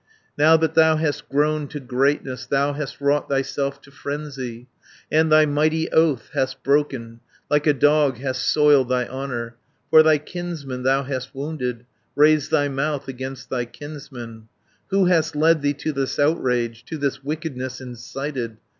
"Now that thou hast grown to greatness, Thou hast wrought thyself to frenzy, And thy mighty oath hast broken, Like a dog hast soiled thy honour, 320 For thy kinsman thou hast wounded, Raised thy mouth against thy kinsman. "Who hast led thee to this outrage, To this wickedness incited?